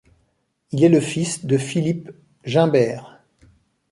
Il est le fils de Philippe Gimbert.